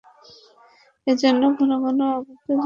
এই জন্য ঘনঘন অবৈধ জায়গায় যাই।